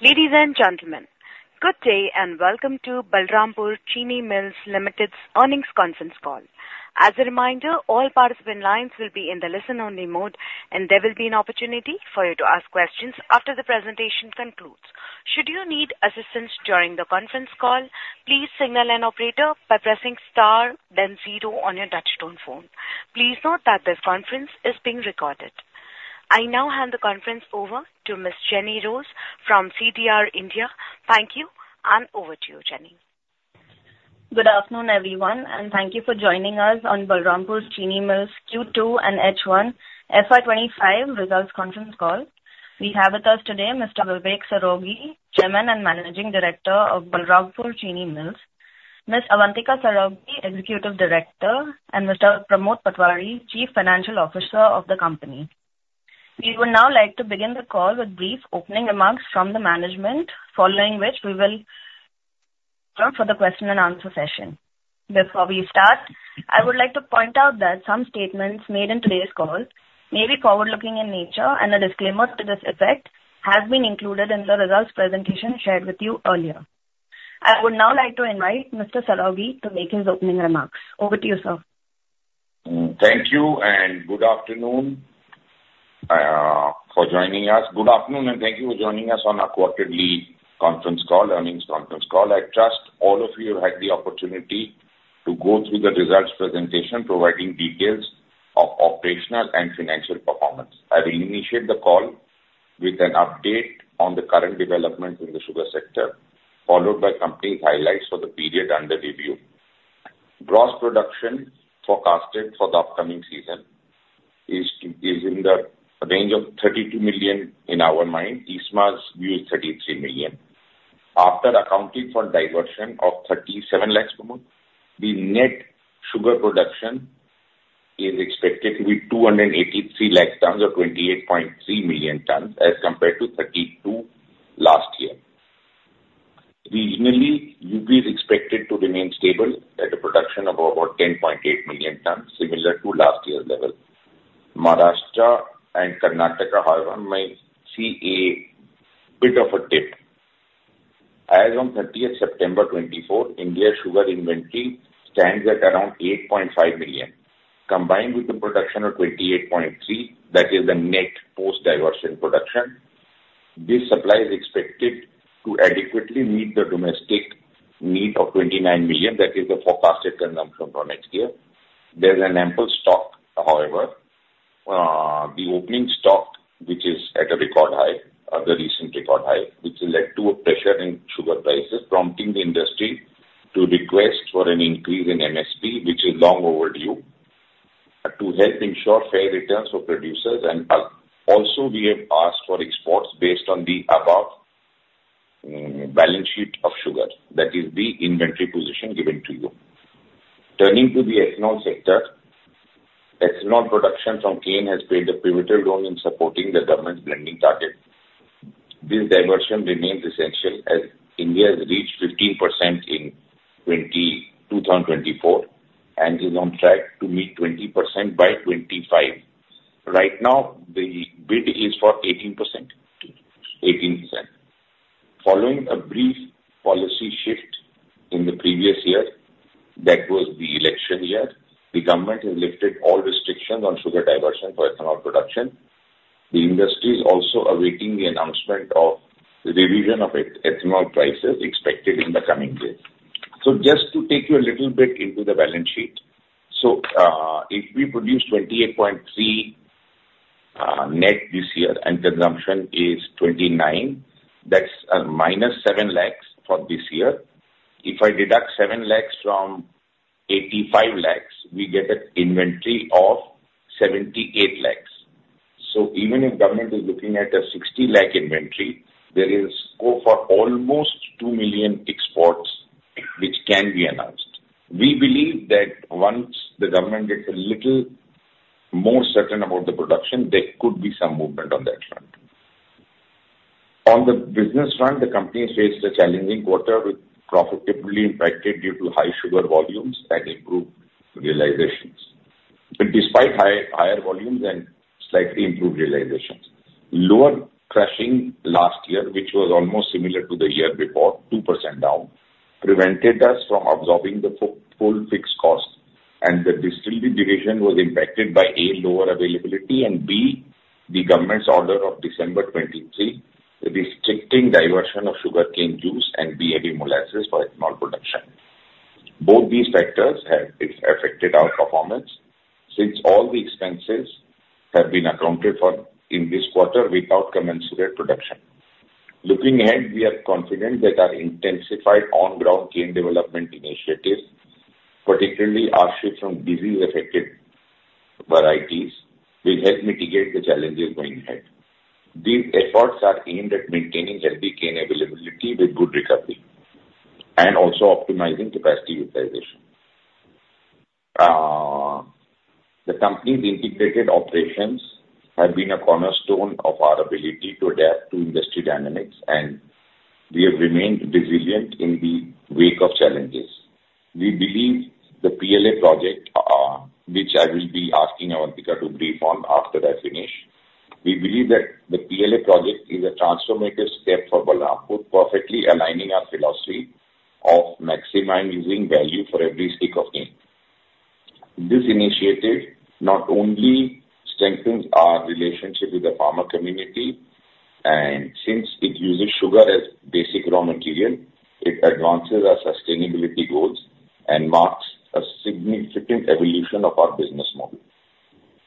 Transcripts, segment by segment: Ladies and gentlemen, good day and welcome to Balrampur Chini Mills Limited's Earnings Conference Call. As a reminder, all participant lines will be in the listen-only mode, and there will be an opportunity for you to ask questions after the presentation concludes. Should you need assistance during the conference call, please signal an operator by pressing star, then zero on your touch-tone phone. Please note that this conference is being recorded. I now hand the conference over to Ms. Jenny Rose from CDR India. Thank you, and over to you, Jenny. Good afternoon, everyone, and thank you for joining us on Balrampur Chini Mills Q2 and H1 FY25 results conference call. We have with us today Mr. Vivek Saraogi, Chairman and Managing Director of Balrampur Chini Mills, Ms. Avantika Saraogi, Executive Director, and Mr. Pramod Patwari, Chief Financial Officer of the company. We would now like to begin the call with brief opening remarks from the management, following which we will open up for the question-and-answer session. Before we start, I would like to point out that some statements made in today's call may be forward-looking in nature, and a disclaimer to this effect has been included in the results presentation shared with you earlier. I would now like to invite Mr. Saraogi to make his opening remarks. Over to you, sir. Thank you, and good afternoon, for joining us. Good afternoon, and thank you for joining us on our quarterly conference call, earnings conference call. I trust all of you have had the opportunity to go through the results presentation, providing details of operational and financial performance. I will initiate the call with an update on the current development in the Sugar sector, followed by company highlights for the period under review. Gross production forecasted for the upcoming season is in the range of 32 million in our mind. ISMA views 33 million. After accounting for diversion of 37 lakhs per month, the net sugar production is expected to be 283 lakhs tons or 28.3 million tons, as compared to 32 last year. Regionally, UP is expected to remain stable at a production of about 10.8 million tons, similar to last year's level. Maharashtra and Karnataka, however, may see a bit of a dip. As of 30 September 2024, India's sugar inventory stands at around 8.5 million. Combined with the production of 28.3, that is the net post-diversion production, this supply is expected to adequately meet the domestic need of 29 million, that is the forecasted consumption for next year. There's an ample stock, however. The opening stock, which is at a record high, at the recent record high, which led to a pressure in sugar prices, prompting the industry to request for an increase in MSP, which is long overdue, to help ensure fair returns for producers, and also, we have asked for exports based on the above balance sheet of sugar, that is the inventory position given to you. Turning to the Ethanol sector, ethanol production from cane has played a pivotal role in supporting the government's blending target. This diversion remains essential as India has reached 15% in 2024 and is on track to meet 20% by 2025. Right now, the bid is for 18%. Following a brief policy shift in the previous year, that was the election year, the government has lifted all restrictions on sugar diversion for ethanol production. The industry is also awaiting the announcement of the revision of ethanol prices expected in the coming days, so just to take you a little bit into the balance sheet, so if we produce 28.3 net this year and consumption is 29, that's minus 7 lakhs for this year. If I deduct 7 lakhs from 85 lakhs, we get an inventory of 78 lakhs, so even if government is looking at a 60 lakh inventory, there is scope for almost 2 million exports, which can be announced. We believe that once the government gets a little more certain about the production, there could be some movement on that front. On the business front, the company has faced a challenging quarter with profitability impacted due to high sugar volumes and improved realizations. Despite higher volumes and slightly improved realizations, lower crushing last year, which was almost similar to the year before, 2% down, prevented us from absorbing the full fixed cost, and the Distillery division was impacted by, A, lower availability, and B, the government's order of December 23, restricting diversion of sugarcane juice and B-heavy molasses for ethanol production. Both these factors have affected our performance since all the expenses have been accounted for in this quarter without commensurate production. Looking ahead, we are confident that our intensified on-ground cane development initiatives, particularly our shift from disease-affected varieties, will help mitigate the challenges going ahead. These efforts are aimed at maintaining healthy cane availability with good recovery and also optimizing capacity utilization. The company's integrated operations have been a cornerstone of our ability to adapt to industry dynamics, and we have remained resilient in the wake of challenges. We believe the PLA project, which I will be asking Avantika to brief on after I finish. We believe that the PLA project is a transformative step for Balrampur, perfectly aligning our philosophy of maximizing value for every stick of cane. This initiative not only strengthens our relationship with the farmer community, and since it uses sugar as basic raw material, it advances our sustainability goals and marks a significant evolution of our business model.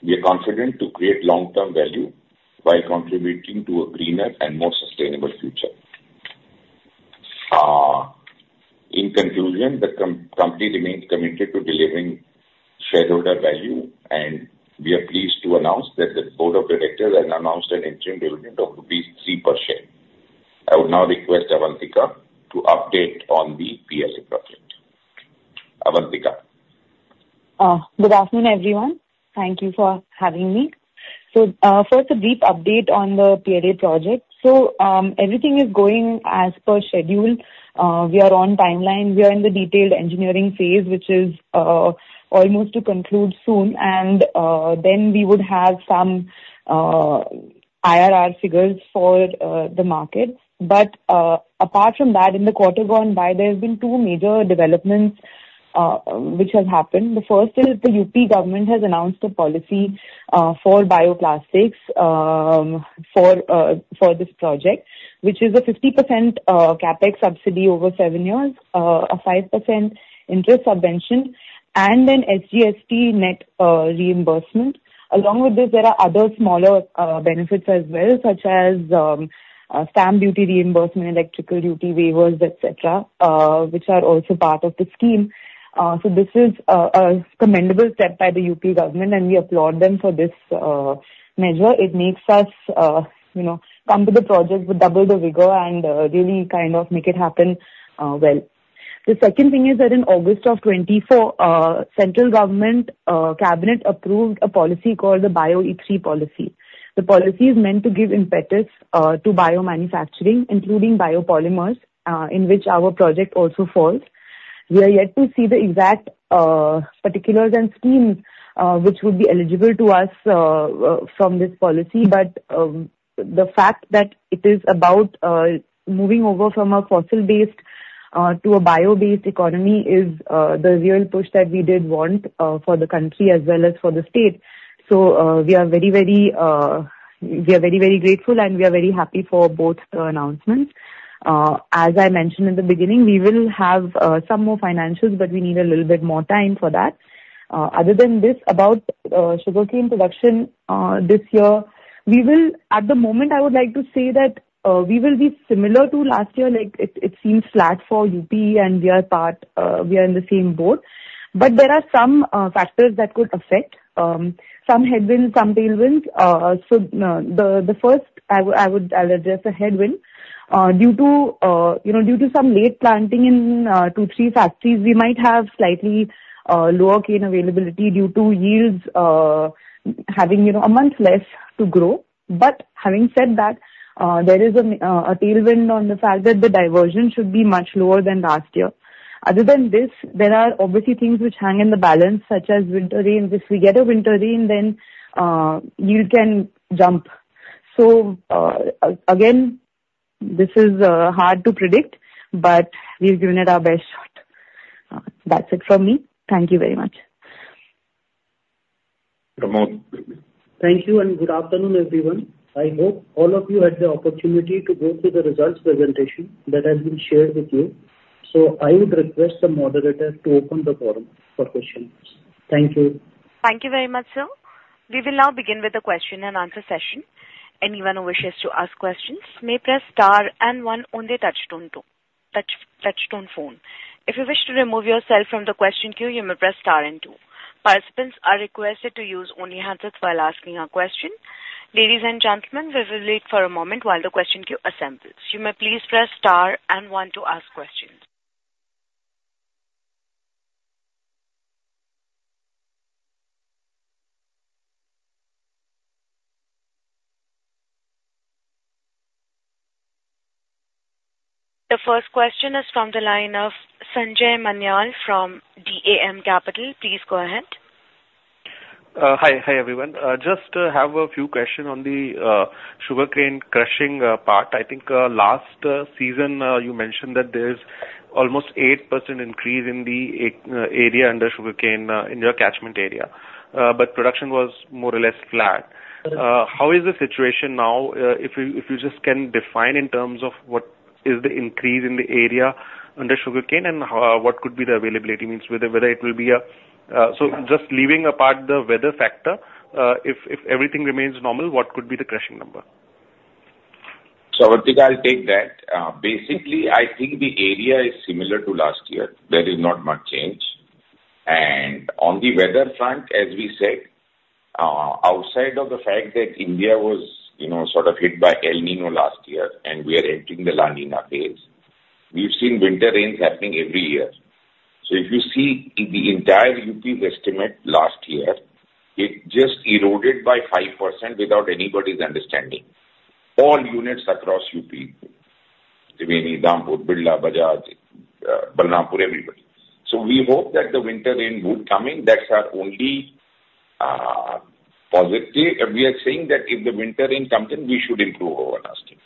We are confident to create long-term value while contributing to a greener and more sustainable future. In conclusion, the company remains committed to delivering shareholder value, and we are pleased to announce that the Board of Directors has announced an interim dividend of rupees 3 per share. I would now request Avantika to update on the PLA project. Avantika. Good afternoon, everyone. Thank you for having me. So first, a brief update on the PLA project. So everything is going as per schedule. We are on timeline. We are in the detailed engineering phase, which is almost to conclude soon, and then we would have some IRR figures for the market. But apart from that, in the quarter gone by, there have been two major developments which have happened. The first is the UP government has announced a policy for bioplastics for this project, which is a 50% CapEx subsidy over seven years, a 5% interest subvention, and then SGST net reimbursement. Along with this, there are other smaller benefits as well, such as stamp duty reimbursement, electricity duty waivers, etc., which are also part of the scheme. So this is a commendable step by the UP government, and we applaud them for this measure. It makes us come to the project with double the vigor and really kind of make it happen well. The second thing is that in August of 2024, central government cabinet approved a policy called the BioE3 Policy. The policy is meant to give impetus to biomanufacturing, including biopolymers, in which our project also falls. We are yet to see the exact particulars and schemes which would be eligible to us from this policy, but the fact that it is about moving over from a fossil-based to a bio-based economy is the real push that we did want for the country as well as for the state. So we are very, very grateful, and we are very happy for both the announcements. As I mentioned in the beginning, we will have some more financials, but we need a little bit more time for that. Other than this, about sugarcane production this year, we will, at the moment, I would like to say that we will be similar to last year. It seems flat for UP, and we are in the same boat. But there are some factors that could affect, some headwinds, some tailwinds. So the first, I would address the headwind. Due to some late planting in two, three factories, we might have slightly lower cane availability due to yields having a month less to grow. But having said that, there is a tailwind on the fact that the diversion should be much lower than last year. Other than this, there are obviously things which hang in the balance, such as winter rain. If we get a winter rain, then yield can jump. So again, this is hard to predict, but we've given it our best shot. That's it from me. Thank you very much. Pramod. Thank you, and good afternoon, everyone. I hope all of you had the opportunity to go through the results presentation that has been shared with you. So I would request the moderator to open the forum for questions. Thank you. Thank you very much, sir. We will now begin with the question-and-answer session. Anyone who wishes to ask questions may press star and one on the touch-tone phone. If you wish to remove yourself from the question queue, you may press star and two. Participants are requested to use only the handset while asking a question. Ladies and gentlemen, we will wait for a moment while the question queue assembles. You may please press star and one to ask questions. The first question is from the line of Sanjay Manyal from DAM Capital. Please go ahead. Hi, everyone. Just have a few questions on the sugarcane crushing part. I think last season, you mentioned that there's almost 8% increase in the area under sugarcane in your catchment area, but production was more or less flat. How is the situation now? If you just can define in terms of what is the increase in the area under sugarcane, and what could be the availability means, whether it will be a—so just leaving apart the weather factor, if everything remains normal, what could be the crushing number? So, Avantika, I'll take that. Basically, I think the area is similar to last year. There is not much change. And on the weather front, as we said, outside of the fact that India was sort of hit by El Niño last year, and we are entering the La Niña phase, we've seen winter rains happening every year. So if you see the entire UP's estimate last year, it just eroded by 5% without anybody's understanding. All units across UP, Balrampur, everybody. So we hope that the winter rain would come. That's our only positive. We are saying that if the winter rain comes in, we should improve over last year.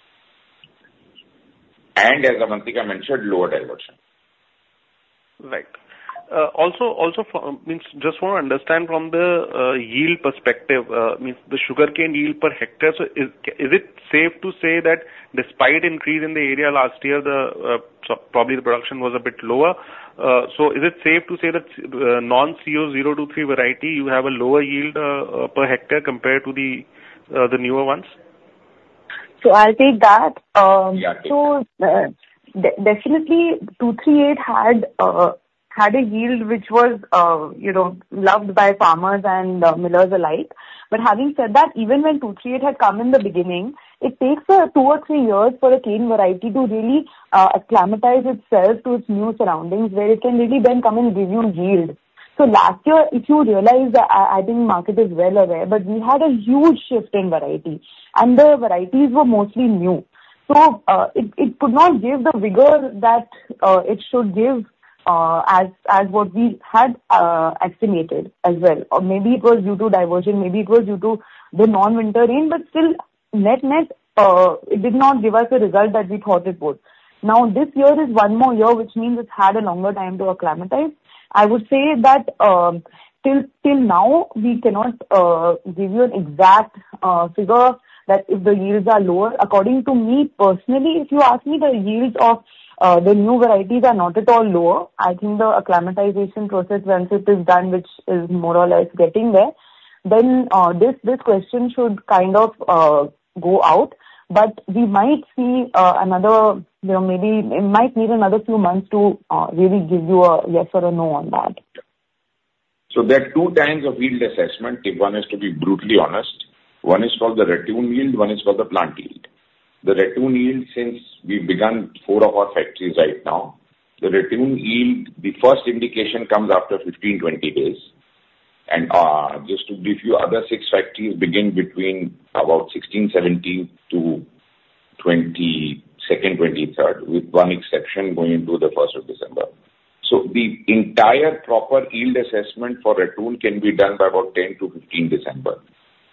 And as Avantika mentioned, lower diversion. Right. Also, just want to understand from the yield perspective, the sugarcane yield per hectare, is it safe to say that despite increase in the area last year, probably the production was a bit lower? So is it safe to say that non-Co 0238 variety, you have a lower yield per hectare compared to the newer ones? So I'll take that. So definitely, 238 had a yield which was loved by farmers and millers alike. But having said that, even when 238 had come in the beginning, it takes two or three years for a cane variety to really acclimatize itself to its new surroundings where it can really then come and give you yield. So last year, if you realize, I think the market is well aware, but we had a huge shift in variety, and the varieties were mostly new. So it could not give the vigor that it should give as what we had estimated as well. Maybe it was due to diversion. Maybe it was due to the non-winter rain, but still, net net, it did not give us the result that we thought it would. Now, this year is one more year, which means it had a longer time to acclimatize. I would say that till now, we cannot give you an exact figure that if the yields are lower. According to me personally, if you ask me the yields of the new varieties are not at all lower, I think the acclimatization process, once it is done, which is more or less getting there, then this question should kind of go out. But we might see another, maybe it might need another few months to really give you a yes or a no on that. So there are two kinds of yield assessment. One is to be brutally honest. One is called the ratoon yield. One is called the plant yield. The ratoon yield, since we've begun four of our factories right now, the ratoon yield, the first indication comes after 15, 20 days. And just to give you, other six factories begin between about 16th, 17th to 22nd, 23rd, with one exception going into the 1st of December. So the entire proper yield assessment for ratoon can be done by about 10 to 15 December.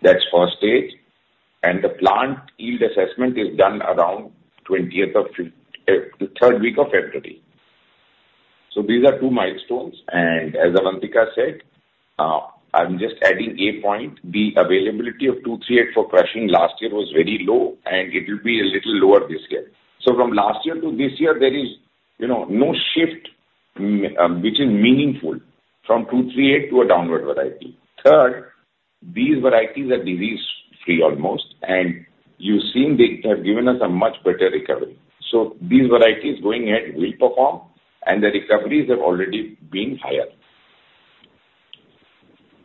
That's first stage. And the plant yield assessment is done around 20th of the third week of February. So these are two milestones. And as Avantika said, I'm just adding a point. The availability of 238 for crushing last year was very low, and it will be a little lower this year. So from last year to this year, there is no shift which is meaningful from 238 to a downward variety. Third, these varieties are disease-free almost, and you've seen they have given us a much better recovery. So these varieties going ahead will perform, and the recoveries have already been higher.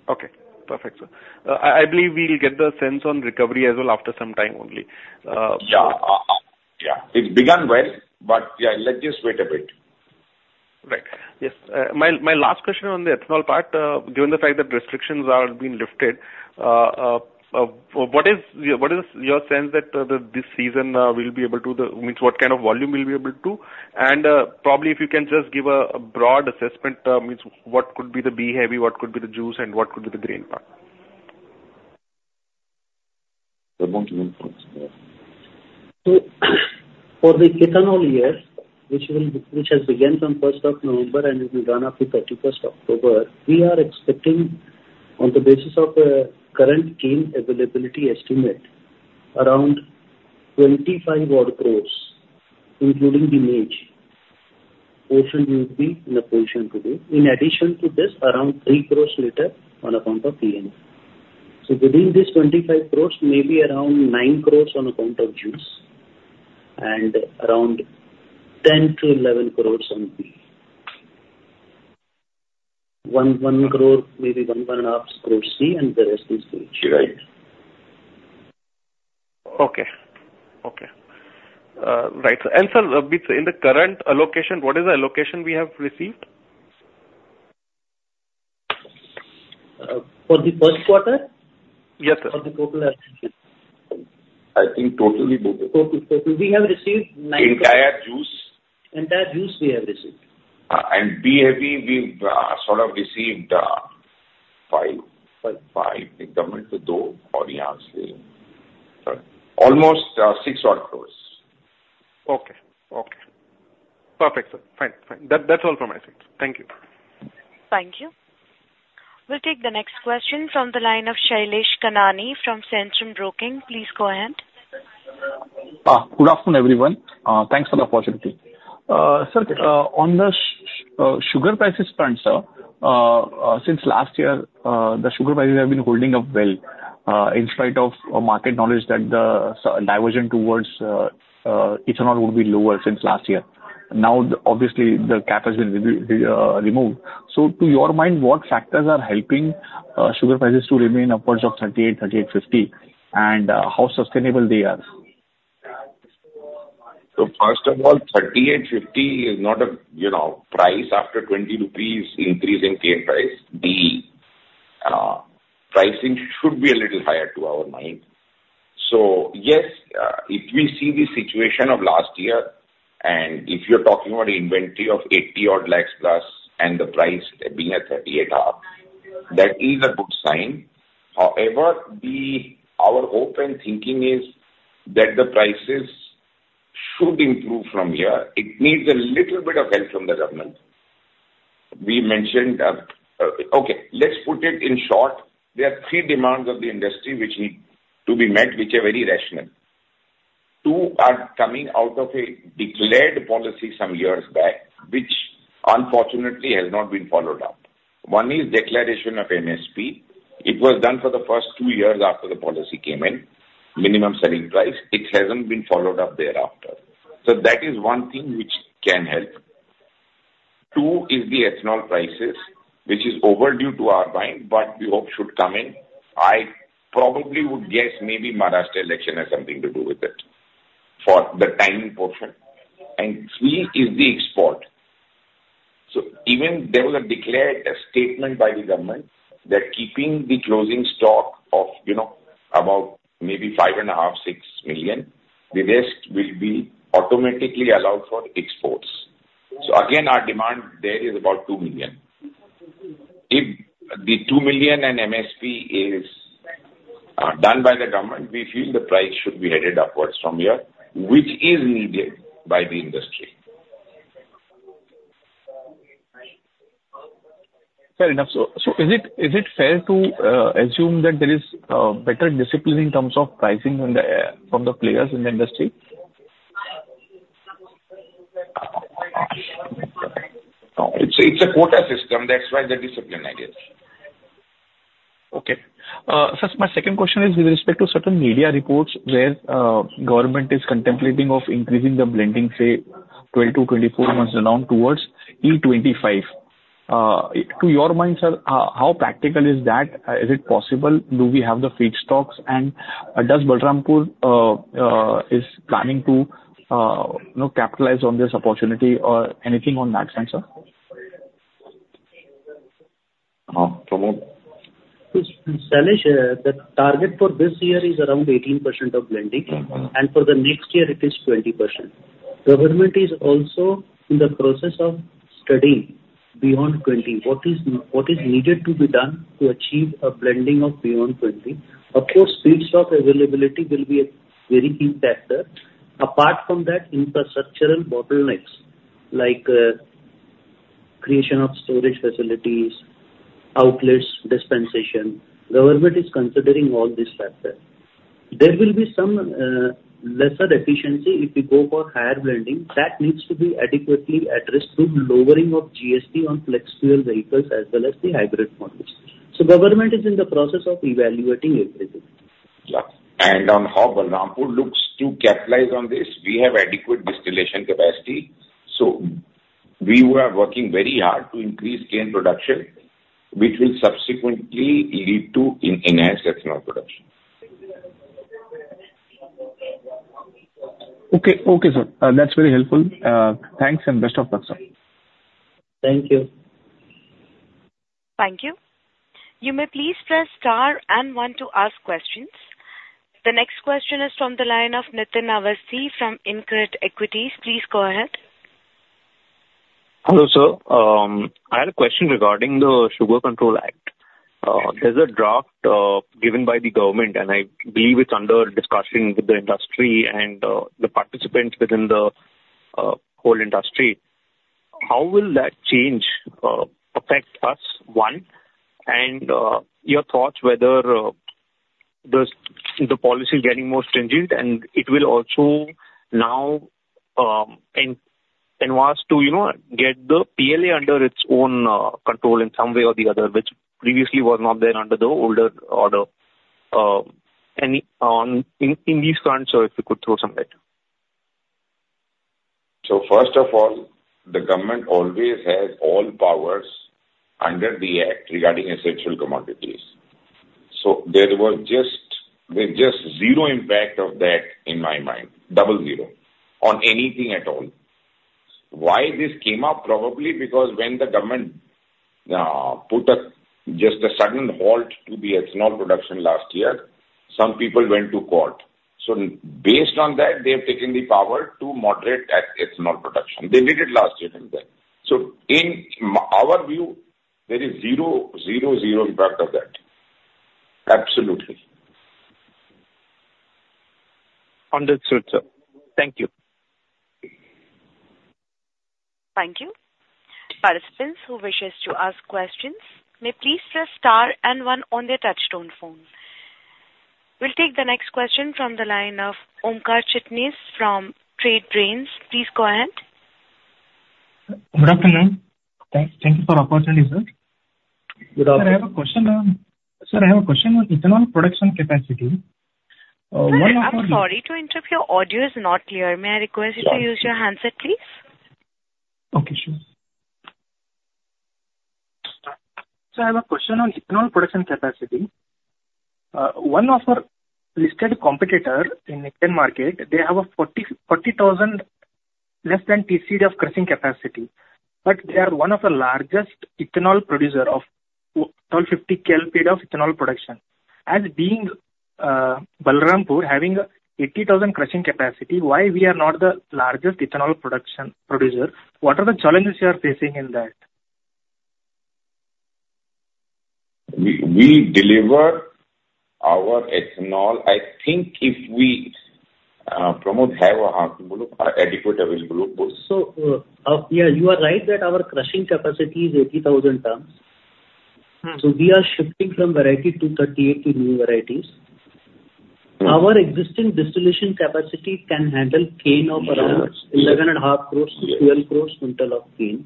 Okay. Perfect. I believe we'll get the sense on recovery as well after some time only. Yeah. Yeah. It began well, but yeah, let's just wait a bit. Right. Yes. My last question on the ethanol part, given the fact that restrictions are being lifted, what is your sense that this season we'll be able to, what kind of volume we'll be able to do? And probably if you can just give a broad assessment, what could be the B-heavy, what could be the juice, and what could be the grain part? For the ethanol year, which has begun on 1st of November and will run up to 31st of October, we are expecting, on the basis of the current cane availability estimate, around 25-odd crores, including the maize, which will be in a position to do. In addition to this, around 3 crores later on account of B-heavy. So within this 25 crores, maybe around 9 crores on account of juice, and around 10-11 crores on B. One crore, maybe one and a half crores B, and the rest is B. Right. Okay. Right. And sir, in the current allocation, what is the allocation we have received? For the first quarter? Yes, sir. For the total allocation? I think totally both. We have received 90. Entire juice? Entire juice we have received. B-heavy, we sort of received 5. 5. 5. The government will do almost INR 6 odd crores. Okay. Okay. Perfect, sir. Fine. That's all from my side. Thank you. Thank you. We'll take the next question from the line of Shailesh Kanani from Centrum Broking. Please go ahead. Good afternoon, everyone. Thanks for the opportunity. Sir, on the sugar prices front, sir, since last year, the sugar prices have been holding up well in spite of market knowledge that the diversion towards ethanol would be lower since last year. Now, obviously, the cap has been removed. So to your mind, what factors are helping sugar prices to remain upwards of 38-38.50, and how sustainable they are? So first of all, 38.50 is not a price after 20 rupees increase in cane price. The pricing should be a little higher to our mind. So yes, if we see the situation of last year, and if you're talking about an inventory of 80 odd lakhs plus, and the price being at 38 odd, that is a good sign. However, our open thinking is that the prices should improve from here. It needs a little bit of help from the government. We mentioned, okay, let's put it in short. There are three demands of the industry to be met, which are very rational. Two are coming out of a declared policy some years back, which unfortunately has not been followed up. One is declaration of MSP. It was done for the first two years after the policy came in, minimum selling price. It hasn't been followed up thereafter. So that is one thing which can help. Two is the ethanol prices, which is overdue to our mind, but we hope should come in. I probably would guess maybe Maharashtra election has something to do with it for the timing portion. And three is the export. So even there was a declared statement by the government that keeping the closing stock of about maybe five and a half, six million, the rest will be automatically allowed for exports. So again, our demand there is about two million. If the two million and MSP is done by the government, we feel the price should be headed upwards from here, which is needed by the industry. Fair enough. So is it fair to assume that there is better discipline in terms of pricing from the players in the industry? It's a quota system. That's why the discipline idea. Okay. Sir, my second question is with respect to certain media reports where government is contemplating of increasing the blending, say, 12 to 24 months along towards E25. To your mind, sir, how practical is that? Is it possible? Do we have the feedstocks? And does Balrampur is planning to capitalize on this opportunity or anything on that front? So, Shailesh, the target for this year is around 18% of blending, and for the next year, it is 20%. Government is also in the process of studying beyond 20%. What is needed to be done to achieve a blending of beyond 20%? Of course, feedstock availability will be a very key factor. Apart from that, infrastructural bottlenecks like creation of storage facilities, outlets, dispensation, government is considering all these factors. There will be some lesser efficiency if we go for higher blending. That needs to be adequately addressed through lowering of GST on flex fuel vehicles as well as the hybrid models. So government is in the process of evaluating everything. Yeah. And on how Balrampur looks to capitalize on this, we have adequate distillation capacity. So we were working very hard to increase cane production, which will subsequently lead to enhanced ethanol production. Okay. Okay, sir. That's very helpful. Thanks and best of luck, sir. Thank you. Thank you. You may please press star and one to ask questions. The next question is from the line of Nitin Awasthi from InCred Equities. Please go ahead. Hello, sir. I had a question regarding the Sugar Control Act. There's a draft given by the government, and I believe it's under discussion with the industry and the participants within the whole industry. How will that change affect us? One, and your thoughts whether the policy is getting more stringent, and it will also now enhance to get the PLA under its own control in some way or the other, which previously was not there under the older order. And in these terms, sir, if you could throw some light. So first of all, the government always has all powers under the act regarding essential commodities. So there was just zero impact of that in my mind, double zero on anything at all. Why this came up? Probably because when the government put just a sudden halt to the ethanol production last year, some people went to court. So based on that, they have taken the power to moderate ethanol production. They did it last year in fact. So in our view, there is zero impact of that. Absolutely. Understood, sir. Thank you. Thank you. Participants who wish to ask questions may please press star and one on their touchtone phone. We'll take the next question from the line of Omkar Chitnis from Trade Brains. Please go ahead. Good afternoon. Thank you for the opportunity, sir. Good afternoon. Sir, I have a question. Sir, I have a question on ethanol production capacity. One of our. Hi, I'm sorry to interrupt. Your audio is not clear. May I request you to use your handset, please? Okay, sure. Sir, I have a question on ethanol production capacity. One of our listed competitors in the market, they have less than 40,000 TCD of crushing capacity, but they are one of the largest ethanol producers of 1,250 KLPD of ethanol production. As being Balrampur having 80,000 crushing capacity, why we are not the largest ethanol producer? What are the challenges you are facing in that? We deliver our ethanol. I think if we promote half a half bulk, adequately available. Yeah, you are right that our crushing capacity is 80,000 tons. We are shifting from variety 238 to new varieties. Our existing distillation capacity can handle cane of around 11 and a half crores to 12 crores quintal of cane.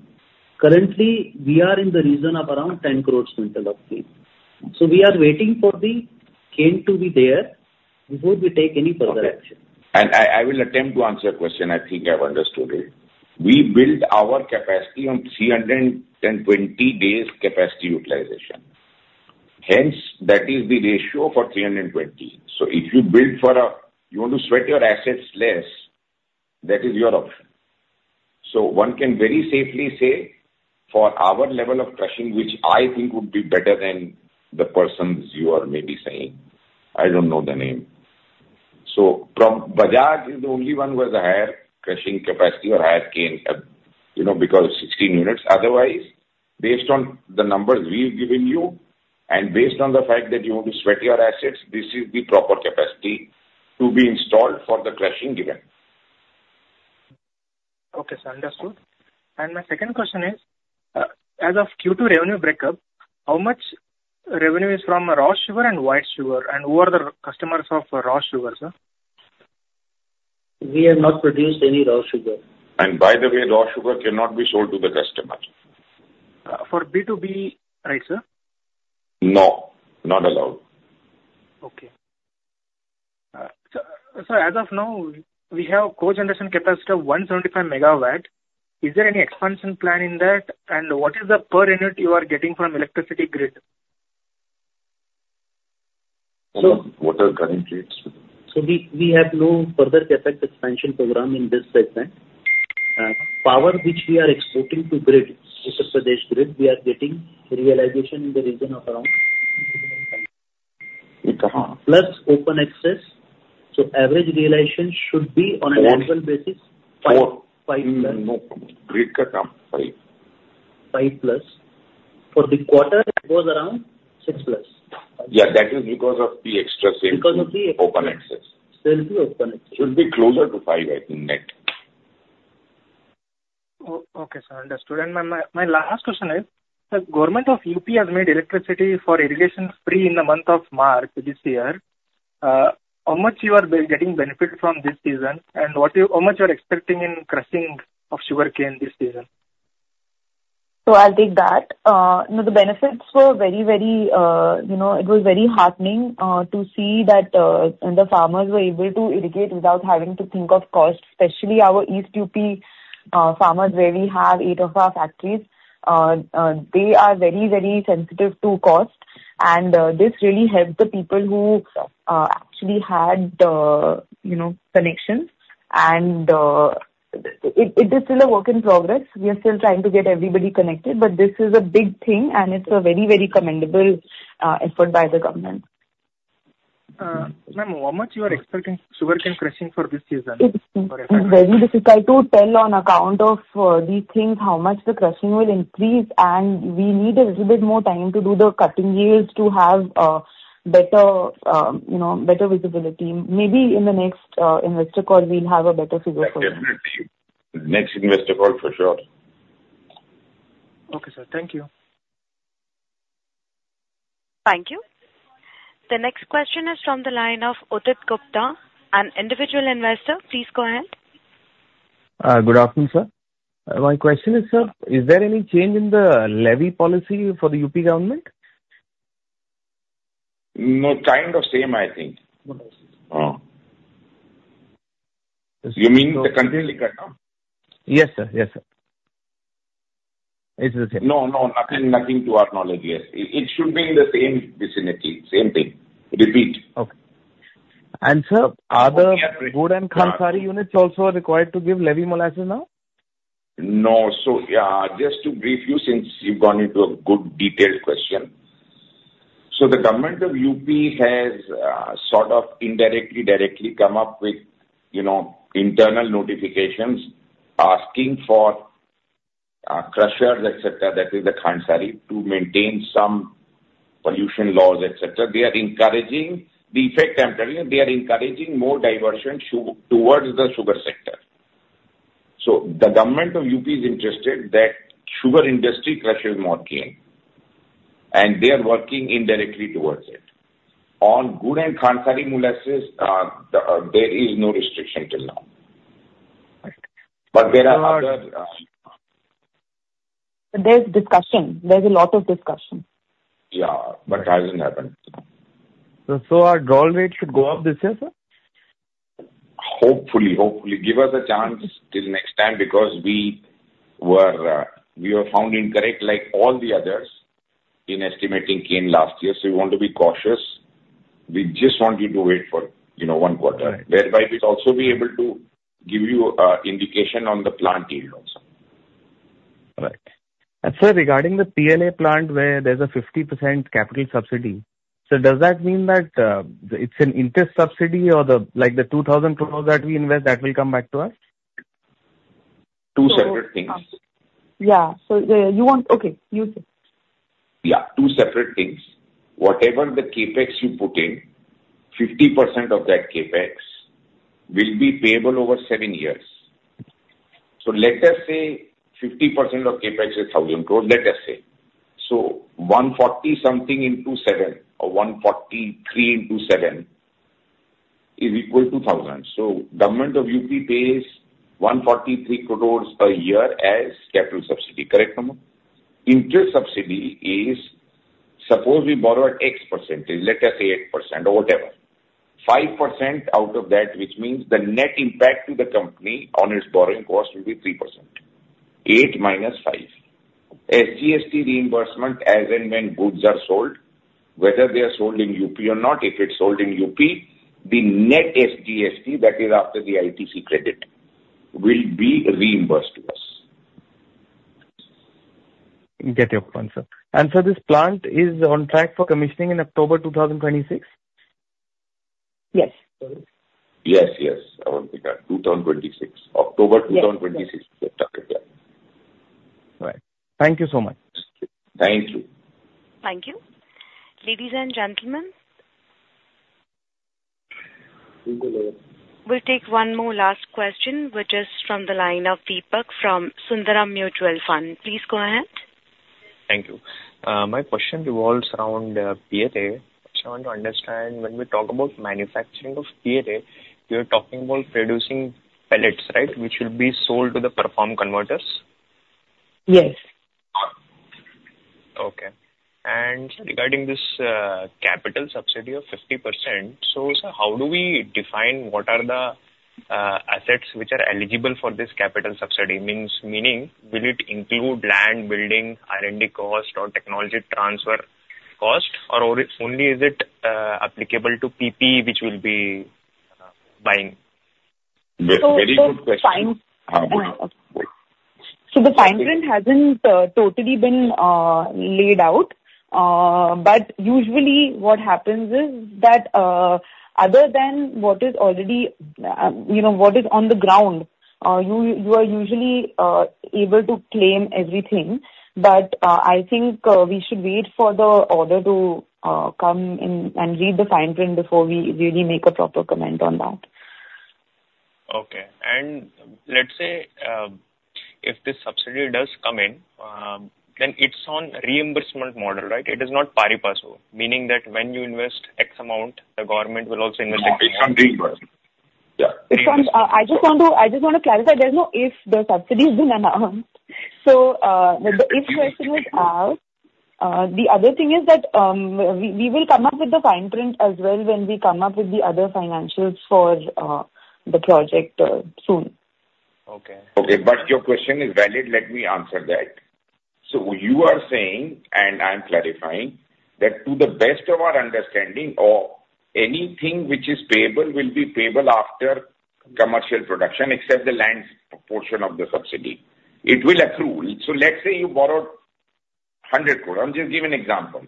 Currently, we are in the region of around 10 crores quintal of cane. We are waiting for the cane to be there before we take any further action. And I will attempt to answer your question. I think I've understood it. We built our capacity on 320 days capacity utilization. Hence, that is the ratio for 320. So if you build for a you want to sweat your assets less, that is your option. So one can very safely say for our level of crushing, which I think would be better than the person you are maybe saying. I don't know the name. So from Bajaj, the only one was a higher crushing capacity or higher cane because 16 units. Otherwise, based on the numbers we've given you and based on the fact that you want to sweat your assets, this is the proper capacity to be installed for the crushing given. Okay, sir. Understood. And my second question is, as of Q2 revenue breakup, how much revenue is from raw sugar and white sugar? And who are the customers of raw sugar, sir? We have not produced any raw sugar. By the way, raw sugar cannot be sold to the customers. For B2B, right, sir? No. Not allowed. Okay. Sir, as of now, we have cogeneration capacity of 175 MW. Is there any expansion plan in that? And what is the per unit you are getting from electricity grid? What are current rates? We have no further CAPEX expansion program in this segment. Power which we are exporting to grid, Uttar Pradesh grid, we are getting realization in the region of around. Plus open access, so average realization should be on an annual basis 5 plus. Grid cut down 5. 5 plus. For the quarter, it was around 6 plus. Yeah. That is because of the extra neutral alcohol. Should be closer to five, I think, net. Okay, sir. Understood. And my last question is, sir, government of UP has made electricity for irrigation free in the month of March this year. How much you are getting benefit from this season? And how much you are expecting in crushing of sugar cane this season? So I'll take that. The benefits were very, very. It was very heartening to see that the farmers were able to irrigate without having to think of cost, especially our East UP farmers where we have eight of our factories. They are very, very sensitive to cost. And this really helped the people who actually had connections. And it is still a work in progress. We are still trying to get everybody connected, but this is a big thing, and it's a very, very commendable effort by the government. Ma'am, how much you are expecting sugarcane crushing for this season? It's very difficult to tell on account of these things how much the crushing will increase, and we need a little bit more time to do the cutting yields to have better visibility. Maybe in the next investor call, we'll have a better figure for that. Definitely. Next investor call for sure. Okay, sir. Thank you. Thank you. The next question is from the line of Udit Gupta, an individual investor. Please go ahead. Good afternoon, sir. My question is, sir, is there any change in the levy policy for the UP government? No, kind of same, I think. You mean the country cut down? Yes, sir. Yes, sir. It's the same. No, no. Nothing to our knowledge. Yes. It should be in the same vicinity. Same thing. Repeat. Okay. Sir, are the gur and khansari units also required to give levy molasses now? No. So just to brief you since you've gone into a good detailed question. So the government of UP has sort of indirectly, directly come up with internal notifications asking for crushers, etc., that is the Khansari, to maintain some pollution laws, etc. They are encouraging the effect temporarily. They are encouraging more diversion towards the sugar sector. So the government of UP is interested that sugar industry crushes more cane. And they are working indirectly towards it. On gur and Khansari molasses, there is no restriction till now. But there are other. There's discussion. There's a lot of discussion. Yeah. But it hasn't happened. So our draw rate should go up this year, sir? Hopefully. Hopefully. Give us a chance till next time because we were found incorrect like all the others in estimating cane last year. So we want to be cautious. We just want you to wait for one quarter, whereby we'll also be able to give you an indication on the plant yield also. Right. And sir, regarding the PLA plant where there's a 50% capital subsidy, sir, does that mean that it's an interest subsidy or the 2,000 crores that we invest, that will come back to us? Two separate things. Yeah. So, you want? Okay. You say. Yeah. Two separate things. Whatever the CAPEX you put in, 50% of that CAPEX will be payable over seven years. So let us say 50% of CAPEX is 1,000 crores. Let us say. So 140 something into 7 or 143 into 7 is equal to 1,000. So government of UP pays 143 crores per year as capital subsidy. Correct, ma'am? Interest subsidy is suppose we borrow at X%. Let us say 8% or whatever. 5% out of that, which means the net impact to the company on its borrowing cost will be 3%. 8 minus 5. SGST reimbursement as and when goods are sold, whether they are sold in UP or not. If it's sold in UP, the net SGST, that is after the ITC credit, will be reimbursed to us. Get your point, sir. And sir, this plant is on track for commissioning in October 2026? Yes. Yes, yes. I want to take that. 2026. October 2026 is the target, yeah. Right. Thank you so much. Thank you. Thank you. Ladies and gentlemen, we'll take one more last question, which is from the line of Deepak from Sundaram Mutual Fund. Please go ahead. Thank you. My question revolves around PLA. I want to understand when we talk about manufacturing of PLA, you are talking about producing pellets, right, which will be sold to the preform converters? Yes. Okay. And regarding this capital subsidy of 50%, so sir, how do we define what are the assets which are eligible for this capital subsidy? Meaning, will it include land, building, R&D cost, or technology transfer cost? Or only is it applicable to PPE, which will be buying? Very good question. So the fine print hasn't totally been laid out. But usually what happens is that other than what is already on the ground, you are usually able to claim everything. But I think we should wait for the order to come and read the fine print before we really make a proper comment on that. Okay. And let's say if this subsidy does come in, then it's on reimbursement model, right? It is not pari passu. Meaning that when you invest X amount, the government will also invest X amount. It's on reimbursement. Yeah. I just want to clarify. There's no if the subsidy is in an amount. So the if question is asked. The other thing is that we will come up with the fine print as well when we come up with the other financials for the project soon. Okay. Okay. But your question is valid. Let me answer that. So you are saying, and I'm clarifying, that to the best of our understanding, anything which is payable will be payable after commercial production, except the land portion of the subsidy. It will accrue. So let's say you borrowed 100 crores. I'm just giving an example.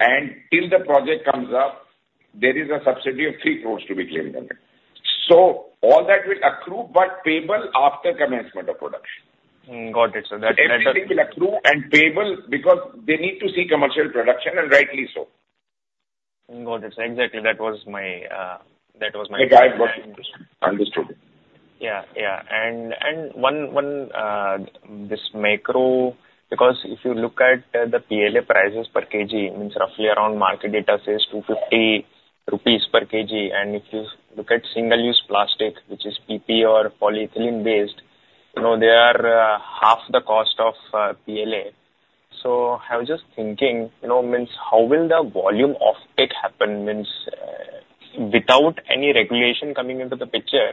And till the project comes up, there is a subsidy of 3 crores to be claimed on it. So all that will accrue but payable after commencement of production. Got it, sir. Everything will accrue and payable because they need to see commercial production, and rightly so. Got it, sir. Exactly. That was my question. Understood. Yeah, yeah. And this macro, because if you look at the PLA prices per kg, means roughly around market data says 250 rupees per kg. And if you look at single-use plastic, which is PP or polyethylene-based, they are half the cost of PLA. So I was just thinking, means how will the volume offtake happen? Means without any regulation coming into the picture,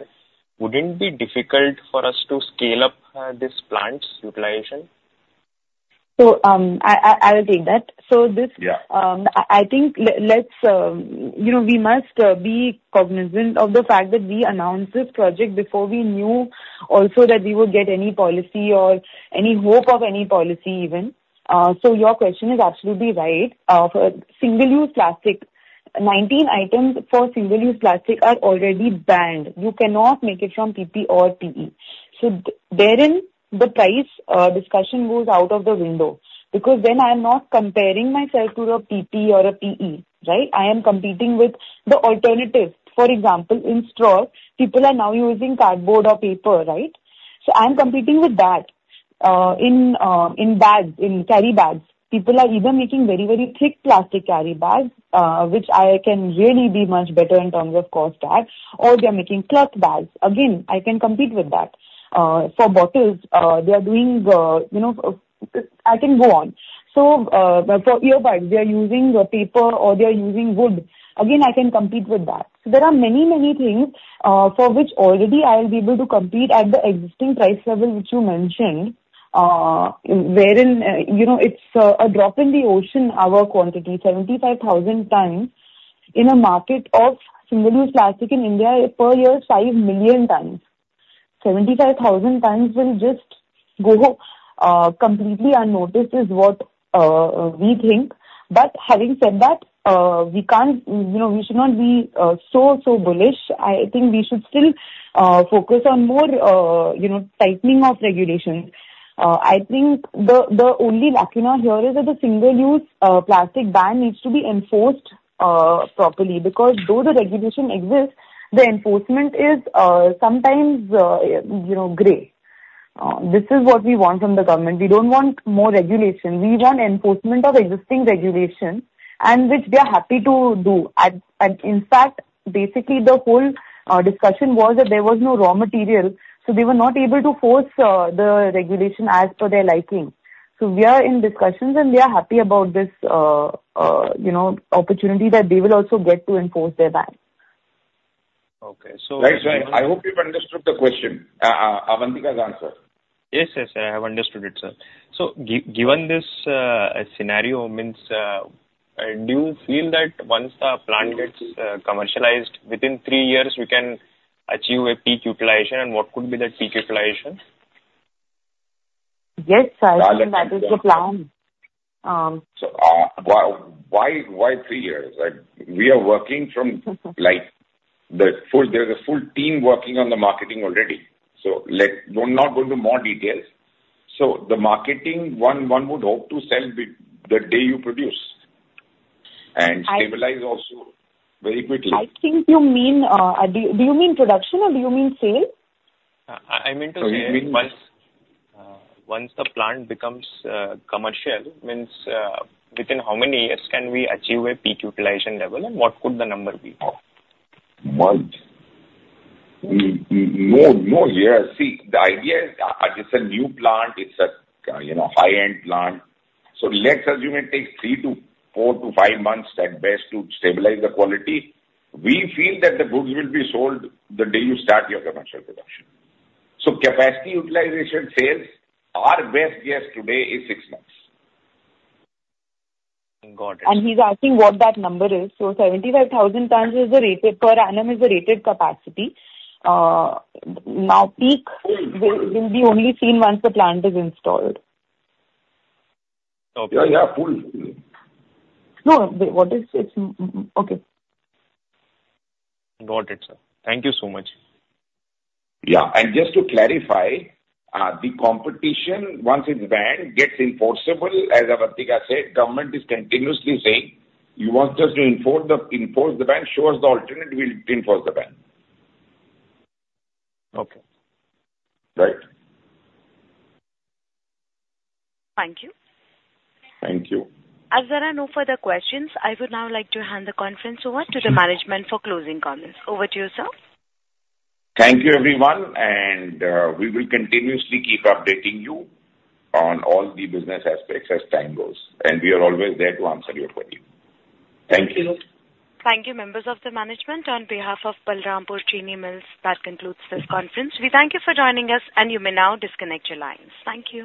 wouldn't it be difficult for us to scale up this plant's utilization? So I'll take that. So I think we must be cognizant of the fact that we announced this project before we knew also that we would get any policy or any hope of any policy even. So your question is absolutely right. Single-use plastic, 19 items for single-use plastic are already banned. You cannot make it from PP or PE. So therein, the price discussion goes out of the window. Because then I'm not comparing myself to a PP or a PE, right? I am competing with the alternative. For example, in straw, people are now using cardboard or paper, right? So I'm competing with that. In carry bags, people are either making very, very thick plastic carry bags, which I can really be much better in terms of cost at, or they're making cloth bags. Again, I can compete with that. For bottles, they are doing. I can go on. So for earbuds, they are using paper or they are using wood. Again, I can compete with that. So there are many, many things for which already I'll be able to compete at the existing price level which you mentioned, wherein it's a drop in the ocean, our quantity, 75,000 tonnes in a market of single-use plastic in India per year, 5 million tonnes. 75,000 tonnes will just go completely unnoticed is what we think. But having said that, we should not be so, so bullish. I think we should still focus on more tightening of regulations. I think the only lacuna here is that the single-use plastic ban needs to be enforced properly because though the regulation exists, the enforcement is sometimes gray. This is what we want from the government. We don't want more regulation. We want enforcement of existing regulation, which they are happy to do, and in fact, basically, the whole discussion was that there was no raw material, so they were not able to force the regulation as per their liking, so we are in discussions, and they are happy about this opportunity that they will also get to enforce their ban. Okay. So. Right, sir. I hope you've understood the question. Avantika's answer. Yes, yes, sir. I have understood it, sir. So given this scenario, means do you feel that once the plant gets commercialized, within three years, we can achieve a peak utilization? And what could be that peak utilization? Yes, sir. I think that is the plan. So, why three years? We are working from there. There's a full team working on the marketing already. So, we're not going into more details. So, the marketing, one would hope to sell the day you produce and stabilize also very quickly. I think you mean production or do you mean sale? I mean to say once the plant becomes commercial, means within how many years can we achieve a peak utilization level? And what could the number be? Months. No, no. Yeah. See, the idea is it's a new plant. It's a high-end plant. So let's assume it takes three to four to five months at best to stabilize the quality. We feel that the goods will be sold the day you start your commercial production. So capacity utilization sales are best guess today is six months. Got it. He's asking what that number is. 75,000 TCD is the rated capacity per annum. Now, peak will be only seen once the plant is installed. Yeah, yeah. Full. No, what is it? Okay. Got it, sir. Thank you so much. Yeah, and just to clarify, the competition, once it's banned, gets enforceable as Avantika said. Government is continuously saying, "You want us to enforce the ban? Show us the alternative. We'll enforce the ban. Okay. Right? Thank you. Thank you. As there are no further questions, I would now like to hand the conference over to the management for closing comments. Over to you, sir. Thank you, everyone. And we will continuously keep updating you on all the business aspects as time goes. And we are always there to answer your questions. Thank you. Thank you, members of the management. On behalf of Balrampur Chini Mills, that concludes this conference. We thank you for joining us, and you may now disconnect your lines. Thank you.